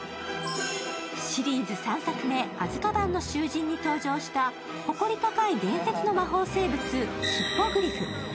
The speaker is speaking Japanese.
シリーズ３作目「アズカバンの囚人」に登場した誇り高い伝説の魔法生物ヒッポグリフ。